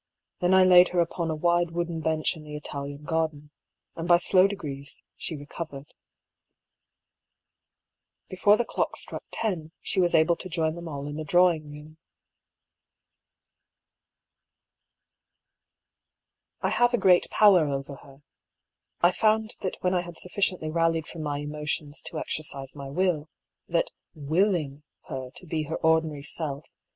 Then I laid her upon a wide wooden bench in the Italian garden, and by slow degrees she recov ered. Before the clock struck ten, she was able to join them all in the drawing room. I have a great power over her. I found that when I had sufficiently rallied from my emotions to ex ercise my will, that witting her to be her ordinary self 266 I>^ PAULL'S THEORY.